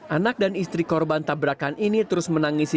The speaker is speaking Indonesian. anak dan istri korban tabrakan ini terus menangisi